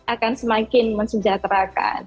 akan semakin mensejahterakan